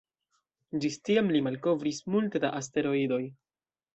Ĝis tiam li malkovris multe da asteroidoj.